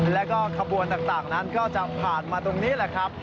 แล้วก็ขบวนต่างนั้นก็จะผ่านมาตรงนี้แหละครับ